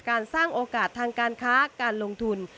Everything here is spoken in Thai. การสร้างโอกาสทางการค้าการลงทุน